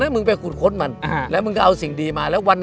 มันมันเป็นการตลาด